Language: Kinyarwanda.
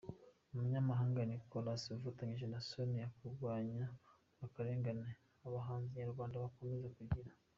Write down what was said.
Umunyamahanga Nicolas ufatanyije na Sonia kurwanya akarengane abahanzi nyarwanda bakomeza kugira .